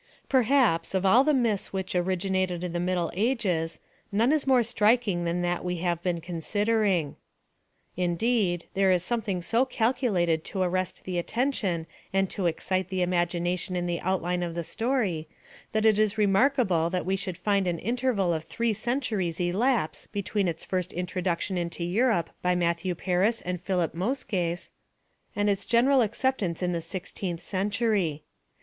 Perhaps, of all the myths which originated in the middle ages, none is more striking than that we have been considering; indeed, there is something so calculated to arrest the attention and to excite the imagination in the outline of the story, that it is remarkable that we should find an interval of three centuries elapse between its first introduction into Europe by Matthew Paris and Philip Mouskes, and its general acceptance in the sixteenth century.